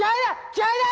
気合いだ！